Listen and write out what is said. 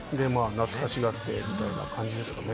懐かしがってみたいな感じですかね。